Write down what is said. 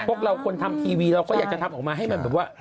พวกเราคนทำทีวีเราก็อยากจะทำออกมาให้มันแบบว่า